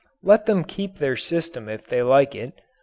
Let them keep their system if they like it.